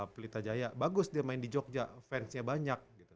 pelita jaya bagus dia main di jogja fansnya banyak gitu